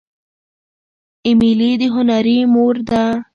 ایمیلي د هنري مور ده.